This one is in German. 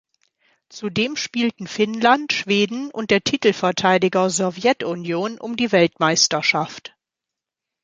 Zudem spielten Finnland, Schweden und der Titelverteidiger Sowjetunion um die Weltmeisterschaft.